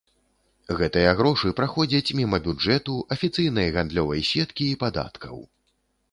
Гэтыя грошы праходзяць міма бюджэту, афіцыйнай гандлёвай сеткі і падаткаў.